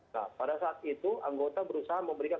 nah pada saat itu anggota berusaha memberikan